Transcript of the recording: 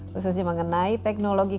khususnya mengenai teknologi